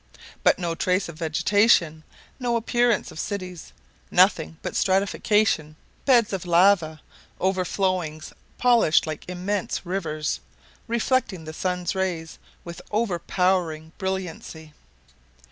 But no trace of vegetation, no appearance of cities; nothing but stratification, beds of lava, overflowings polished like immense mirrors, reflecting the sun's rays with overpowering brilliancy.